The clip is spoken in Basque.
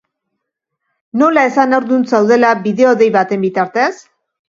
Nola esan haurdun zaudela bideodei baten bitartez?